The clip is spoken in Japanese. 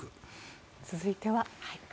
続いては。